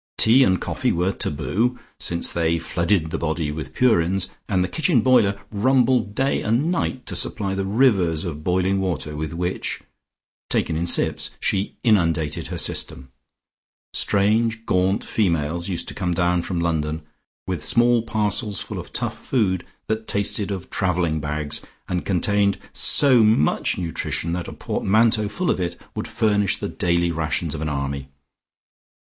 Tea and coffee were taboo, since they flooded the blood with purins, and the kitchen boiler rumbled day and night to supply the rivers of boiling water with which (taken in sips) she inundated her system. Strange gaunt females used to come down from London, with small parcels full of tough food that tasted of travelling bags and contained so much nutrition that a port manteau full of it would furnish the daily rations of any army.